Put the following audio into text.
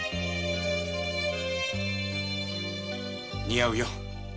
似合うよ